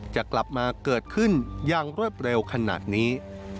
จะกลับมาเกิดขึ้นอย่างรวดเร็วขนาดนี้